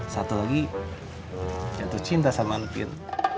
satu lagi jatuh cinta sama pin